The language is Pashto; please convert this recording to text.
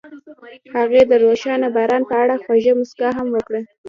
هغې د روښانه باران په اړه خوږه موسکا هم وکړه.